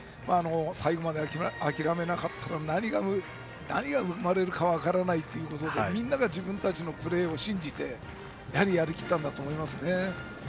最後まで諦めなかったら何が生まれるか分からないということでみんな自分たちのプレーを信じてやりきったんだと思いますね。